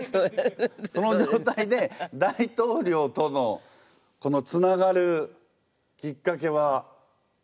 そのじょうたいで大統領とのこのつながるきっかけは？